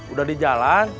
udah di jalan